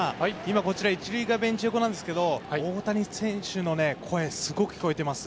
こちら１塁側のベンチ横ですが大谷選手の声がすごく聞こえています。